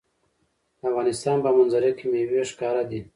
د افغانستان په منظره کې مېوې ښکاره ده.